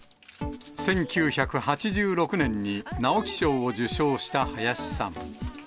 １９８６年に直木賞を受賞した林さん。